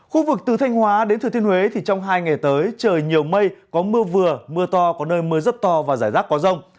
khu vực từ thanh hóa đến thừa thiên huế thì trong hai ngày tới trời nhiều mây có mưa vừa mưa to có nơi mưa rất to và rải rác có rông